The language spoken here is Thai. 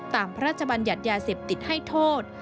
พระราชบัญญัติยาเสพติดให้โทษ